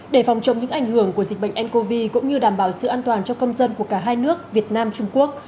để phòng chống những ảnh hưởng của dịch bệnh ncov cũng như đảm bảo sự an toàn cho công dân của cả hai nước việt nam trung quốc